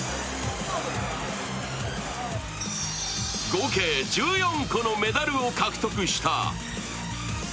合計１４個のメダルを獲得した。